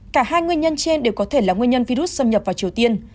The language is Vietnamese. cả hai nguyên nhân trên đều có thể là nguyên nhân virus xâm nhập vào triều tiên